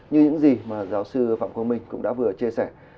như những gì mà giáo sư phạm quang minh cũng đã vừa chia sẻ